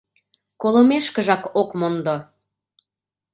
Колымешкыжак ок мондо.